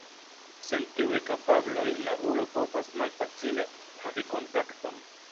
Sen tiuj kapabloj la ulo povas malfacile havi kontakton.